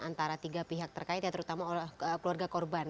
antara tiga pihak terkait ya terutama oleh keluarga korban